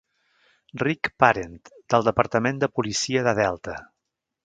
Rick Parent del Departament de policia de Delta.